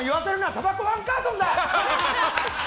たばこ１カートンだ！